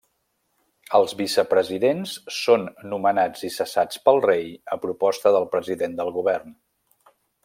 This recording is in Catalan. Els vicepresidents són nomenats i cessats pel rei a proposta del president del Govern.